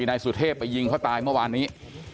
นายสุเทพไปยิงเขาตายเมื่อวานนี้